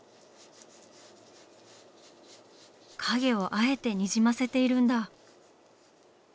影をあえてにじませているんだ。